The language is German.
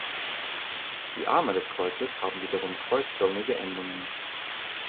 Die Arme des Kreuzes haben wiederum kreuzförmige Endungen.